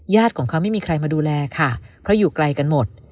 ของเขาไม่มีใครมาดูแลค่ะเพราะอยู่ไกลกันหมด